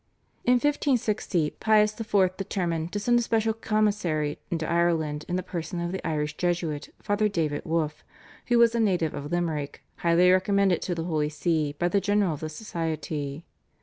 In 1560 Pius IV. determined to send a special commissary into Ireland in the person of the Irish Jesuit, Father David Wolf, who was a native of Limerick, highly recommended to the Holy See by the general of the Society.